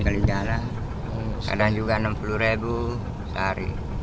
sekali jalan kadang juga enam puluh ribu sehari